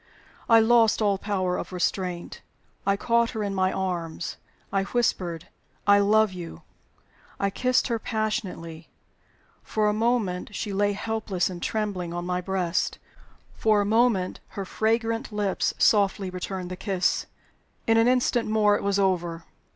I lost all power of restraint; I caught her in my arms; I whispered, "I love you!" I kissed her passionately. For a moment she lay helpless and trembling on my breast; for a moment her fragrant lips softly returned the kiss. In an instant more it was over.